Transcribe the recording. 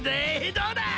どうだ！